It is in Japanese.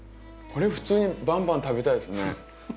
これ普通にバンバン食べたいですね。